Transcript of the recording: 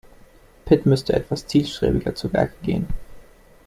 Pit müsste etwas zielstrebiger zu Werke gehen.